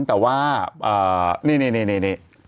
แต่ว่านี่